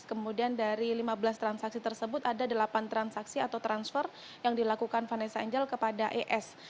kemudian dari lima belas transaksi tersebut ada delapan transaksi atau transfer yang dilakukan vanessa angel kepada es